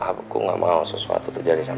aku gak mau sesuatu terjadi sama kamu